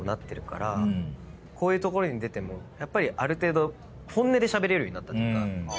こういうところに出てもある程度本音でしゃべれるようになった。